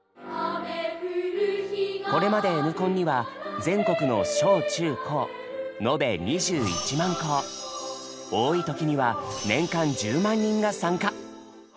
これまで「Ｎコン」には全国の小・中・高多い時には年間１０万人が参加。